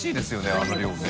あの量で。